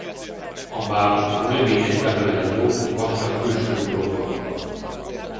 A báb a növények levelein lóg vastag külső burokban.